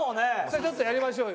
ちょっとやりましょうよ。